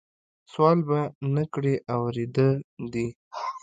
سوال به نه کړې اورېده دي